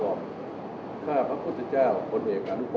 สวัสดีครับสวัสดีครับสวัสดีครับ